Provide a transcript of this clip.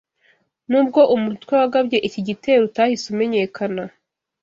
Nubwo umutwe wagabye iki gitero utahise umenyekana